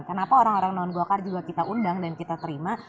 kenapa orang orang non golkar juga kita undang dan kita terima